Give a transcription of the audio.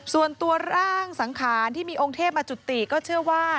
ส่วนตัวร่างสังขารที่มีองค์เทพมาจุติก็เชื่อว่า